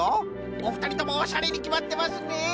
おふたりともおしゃれにきまってますね。